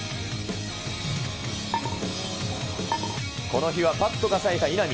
この日はパットがさえた稲見。